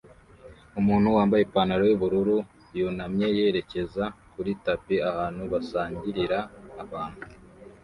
Umuntu wambaye ipantaro yubururu yunamye yerekeza kuri tapi ahantu basangirira abantu